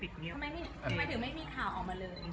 ทำไมถึงไม่มีข่าวออกมาเลย